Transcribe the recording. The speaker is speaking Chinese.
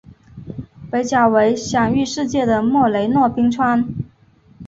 北角为享誉世界的莫雷诺冰川。